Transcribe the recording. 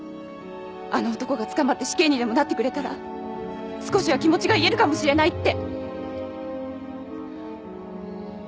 あの男が捕まって死刑にでもなってくれたら少しは気持ちが癒えるかもしれないって。